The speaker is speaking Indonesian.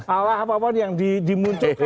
allah apa apa yang dimunculkan lagi